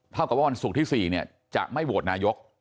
เท่ากับว่าวันศุกร์ที่๔จะไม่โหวตนายก